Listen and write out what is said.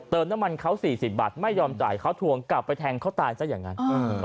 น้ำมันเขา๔๐บาทไม่ยอมจ่ายเขาทวงกลับไปแทงเขาตายซะอย่างนั้น